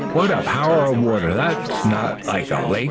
What a power of water! That's not a lake!